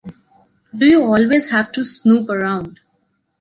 Do you always have to snoop around?